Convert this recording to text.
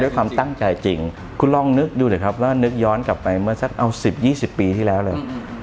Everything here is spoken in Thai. ความตั้งใจจริงคุณลองนึกดูเลยครับว่านึกย้อนกลับไปเมื่อสักเอา๑๐๒๐ปีที่แล้วเลย